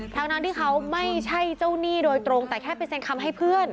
ทั้งที่เขาไม่ใช่เจ้าหนี้โดยตรงแต่แค่ไปเซ็นคำให้เพื่อน